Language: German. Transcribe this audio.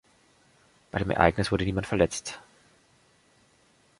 Bei dem Ereignis wurde niemand verletzt.